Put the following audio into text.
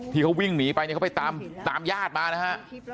ที่เขาวิ่งหนีไปเนี่ยเขาไปตามญาติมานะฮะ